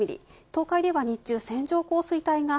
東海では日中、線状降水帯が